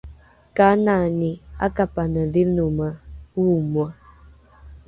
kanani ’apakanedhinome oomoe?